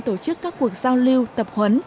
tổ chức các cuộc giao lưu tập huấn